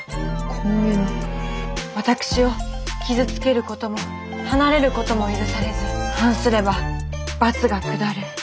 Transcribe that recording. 私を傷つけることも離れることも許されず反すれば罰が下る。